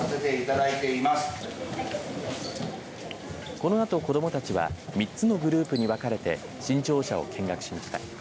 このあと子どもたちは３つのグループに分かれて新庁舎を見学しました。